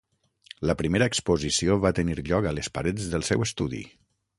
La primera exposició va tenir lloc a les parets del seu estudi.